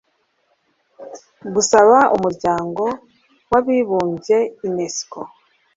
gusaba umuryango w'abibumbye unesco